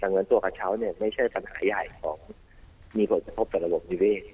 ดังนั้นตัวกระเช้าเนี่ยไม่ใช่ปัญหาใหญ่ของมีผลกระทบต่อระบบนิเวศ